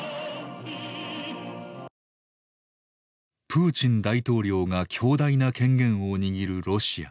プーチン大統領が強大な権限を握るロシア。